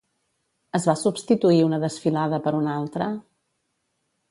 Es va substituir una desfilada per una altra?